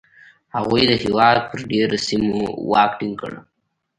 هغوی د هېواد پر ډېری سیمو واک ټینګ کړ